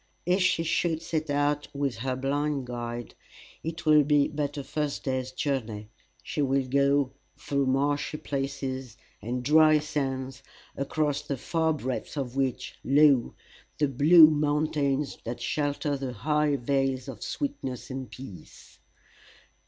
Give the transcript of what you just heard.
If she should set out with her blind guide, it will be but a first day's journey she will go through marshy places and dry sands, across the far breadth of which, lo! the blue mountains that shelter the high vales of sweetness and peace."